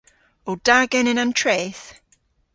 O da genen an treth?